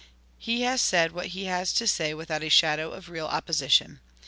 He has said what he has to say without a shadow of real opposition.